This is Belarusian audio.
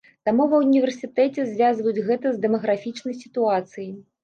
Таму ва ўніверсітэце звязваюць гэта з дэмаграфічнай сітуацыяй.